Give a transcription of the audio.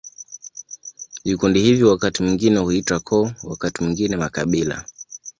Vikundi hivi wakati mwingine huitwa koo, wakati mwingine makabila.